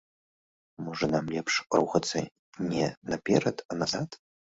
Можа, нам лепш рухацца не наперад, а назад?